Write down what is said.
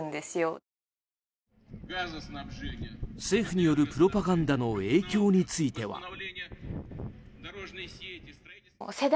政府によるプロパガンダの影響については。